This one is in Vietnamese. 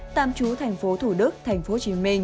tạm trú thành phố thủ đức tp hcm